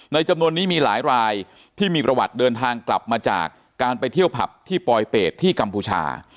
จำนวนนี้มีหลายรายที่มีประวัติเดินทางกลับมาจากการไปเที่ยวผับที่ปลอยเป็ดที่กัมพูชา